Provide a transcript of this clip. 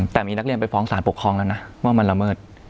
แต่มีนักเรียนไปฟ้องสารปกครองแล้วนะว่ามันละเมิด